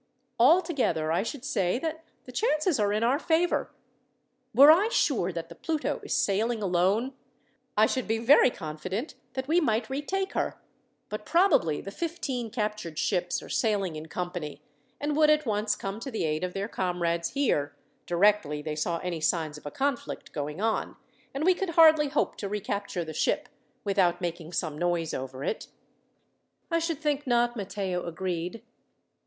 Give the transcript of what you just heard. Altogether, I should say that the chances are in our favour. Were I sure that the Pluto is sailing alone, I should be very confident that we might retake her, but probably the fifteen captured ships are sailing in company, and would at once come to the aid of their comrades here, directly they saw any signs of a conflict going on, and we could hardly hope to recapture the ship without making some noise over it." "I should think not," Matteo agreed.